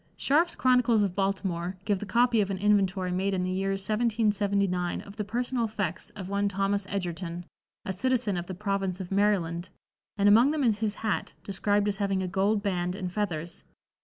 Scharf's "Chronicles of Baltimore" give the copy of an inventory made in the year 1779 of the personal effects of one Thos. Edgerton, a citizen of the Province of Maryland, and among them is his hat, described as having a gold band and feathers.